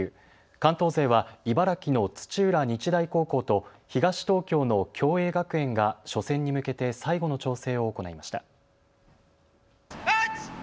関東勢は茨城の土浦日大高校と東東京の共栄学園が初戦に向けて最後の調整を行いました。